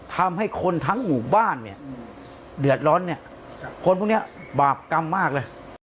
ทำให้คนทั้งหมู่บ้านเนี่ยเดือดร้อนเนี่ยคนพวกนี้บาปกรรมมากเลย